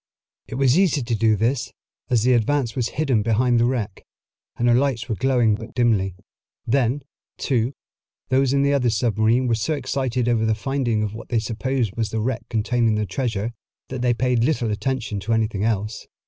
It was easy to do this, as the Advance was hidden behind the wreck, and her lights were glowing but dimly. Then, too, those in the other submarine were so excited over the finding of what they supposed was the wreck containing the treasure, that they paid little attention to anything else.